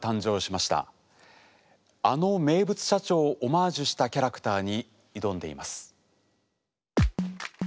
あの名物社長をオマージュしたキャラクターに挑んでいます。